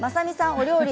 お料理